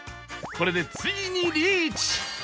これでついにリーチ！